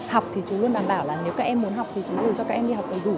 học thì chú luôn đảm bảo là nếu các em muốn học thì chúng đủ cho các em đi học đầy đủ